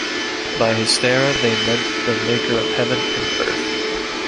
By Hystera they meant the Maker of Heaven and Earth.